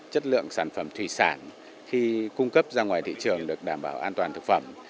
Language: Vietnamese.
chất lượng sản phẩm thủy sản khi cung cấp ra ngoài thị trường được đảm bảo an toàn thực phẩm